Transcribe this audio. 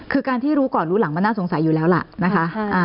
คือการที่รู้ก่อนรู้หลังมันน่าสงสัยอยู่แล้วล่ะนะคะ